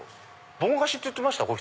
ぼん菓子って言ってました？